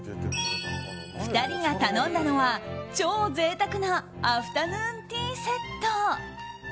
２人が頼んだのは超贅沢なアフタヌーンティーセット。